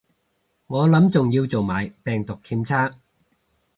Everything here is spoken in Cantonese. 我諗仲要做埋病毒檢測